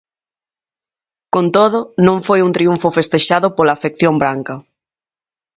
Con todo, non foi un triunfo festexado pola afección branca.